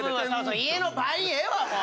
家のバインええわもう！